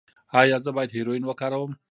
ایا زه باید هیرویین وکاروم؟